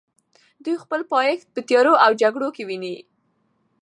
دوی خپل پایښت په تیارو او جګړو کې ویني.